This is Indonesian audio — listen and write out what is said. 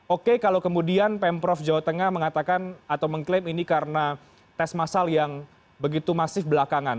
oke kalau kemudian pemprov jawa tengah mengatakan atau mengklaim ini karena tes masal yang begitu masif belakangan